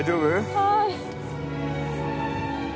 はい。